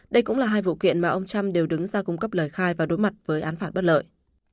đây cũng là hai vụ kiện mà ông trump đều đứng ra cung cấp lời khai và đối mặt với án phạt bất lợi